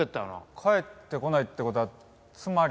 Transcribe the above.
帰ってこないって事はつまり。